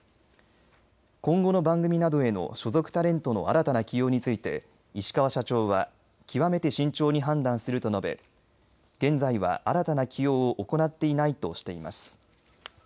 今後の番組などへの所属タレントの新たな起用について石川社長は極めて慎重に判断すると述べ現在は新たな起用を行っていないとしています。